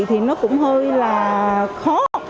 thì nó cũng hơi là khó